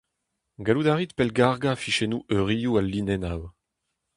Gallout a rit pellgargañ fichennoù eurioù al linennoù.